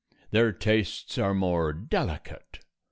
Their tastes are more delicate.